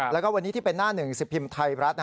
แล้วก็วันนี้ที่เป็นหน้าหนึ่งสิบพิมพ์ไทยรัฐ